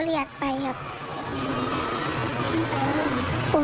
เขาก็กระโดดตบไม่ครบครับ